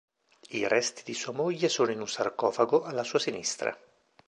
I resti di sua moglie sono in un sarcofago alla sua sinistra.